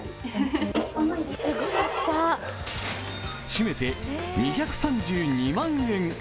締めて２３２万円。